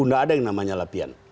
tidak ada yang namanya latihan